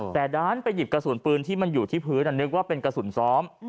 แต่ด้านไปหยิบกระสุนปืนที่มันอยู่ที่พื้นนึกว่าเป็นกระสุนซ้อม